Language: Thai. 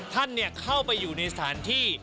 ท่านเข้าไปอยู่ในสถานที่